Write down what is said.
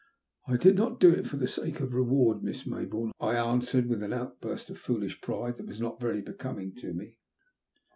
'' I did not do it for the sake of reward, Miss Maybourne," I answered, with an outburst of foolish pride that was not very becoming to me.